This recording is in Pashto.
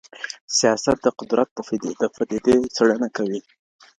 سیاست د قدرت د پدیدې څېړنه کوي.